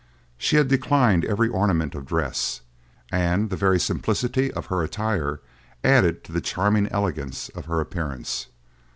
She had declined every ornament of dress, and the very simplicity of her attire added to the charming elegance of her appearance.